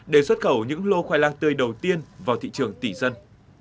để xuất khẩu những lô khoai lang tươi đầu tiên vào thị trường tỷ dân